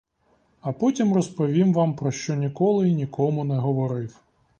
А потім розповім вам, про що ніколи й нікому не говорив.